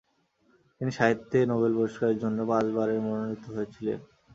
তিনি সাহিত্যে নোবেল পুরস্কারের জন্য পাঁচবারের মনোনীত হয়েছিলেন।